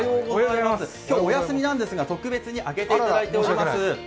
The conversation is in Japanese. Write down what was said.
今日はお休みなんですが特別に開けていただいております。